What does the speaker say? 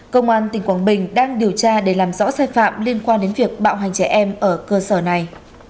công an tỉnh quảng bình đang điều tra để làm rõ sai phạm liên quan đến việc bạo hành trẻ em ở cơ sở này